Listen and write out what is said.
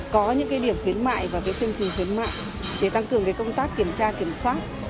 có những điểm khuyến mại và chương trình khuyến mại để tăng cường công tác kiểm tra kiểm soát